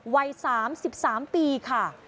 วัย๓๓ปีค่ะ